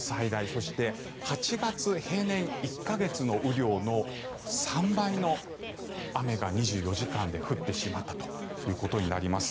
そして８月平年１か月の雨量の３倍の雨が２４時間で降ってしまったということになります。